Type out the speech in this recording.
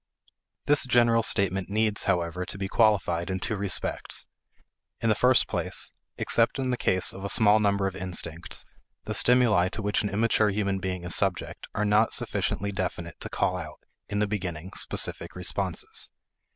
This general statement needs, however, to be qualified in two respects. In the first place, except in the case of a small number of instincts, the stimuli to which an immature human being is subject are not sufficiently definite to call out, in the beginning, specific responses.